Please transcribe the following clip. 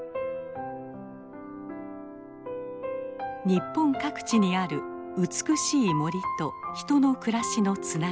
日本各地にある美しい森と人の暮らしのつながり。